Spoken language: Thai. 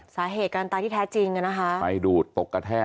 สาเหตุการณ์ตายที่แท้จริงนะฮะ